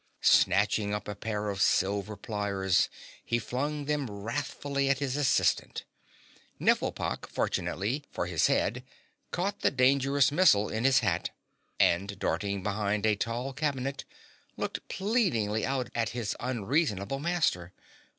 Snatching up a pair of silver pliers he flung them wrathfully at his assistant. Nifflepok, fortunately for his head, caught the dangerous missile in his hat, and darting behind a tall cabinet, looked pleadingly out at his unreasonable Master.